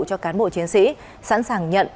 cho cán bộ chiến sĩ sẵn sàng nhận